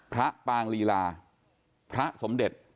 พระปางลีลาเผ้าสมเด็จ